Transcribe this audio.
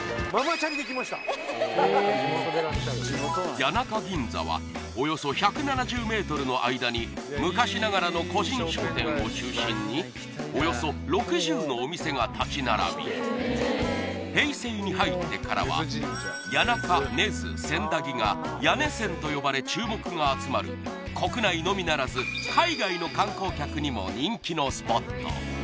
谷中ぎんざはおよそ１７０ｍの間に昔ながらの個人商店を中心におよそ６０のお店が立ち並び平成に入ってからは谷中・根津・千駄木が谷根千と呼ばれ注目が集まる国内のみならず海外の観光客にも人気のスポット